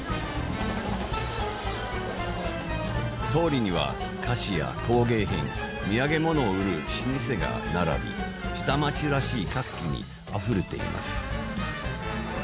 通りには、菓子や工芸品土産物を売る老舗が並び下町らしい活気にあふれています。